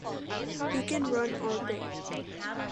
He can run all day.